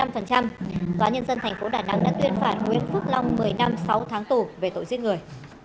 tòa nhân dân thành phố đà nẵng đã tuyên phạt nguyễn phước long một mươi năm sáu tháng tù về tội giết người